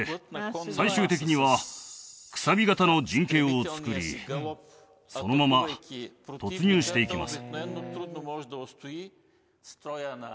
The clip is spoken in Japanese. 最終的には楔形の陣形を作りそのまま突入していきます